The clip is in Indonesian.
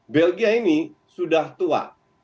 belgia ini sudah tua